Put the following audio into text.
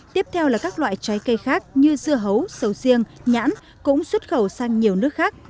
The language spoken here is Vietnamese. tiếp theo là các loại trái cây khác như dưa hấu sầu riêng nhãn cũng xuất khẩu sang nhiều nước khác